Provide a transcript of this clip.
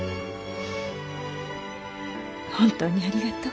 本当にありがとう。